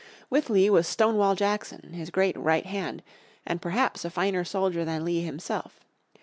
With Lee was Stonewall Jackson, his great "right hand," and perhaps a finer soldier than Lee himself.